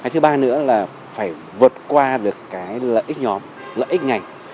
thứ ba nữa là phải vượt qua được cái lợi ích nhóm lợi ích ngành